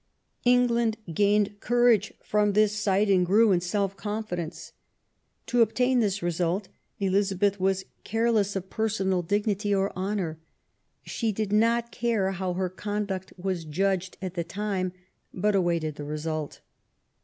England gained courage from this sight and grew in self confidence. To obtain this result Elizabeth was careless of personal dignity or honour. She did not care how her conduct was judged at the time, but awaited the result.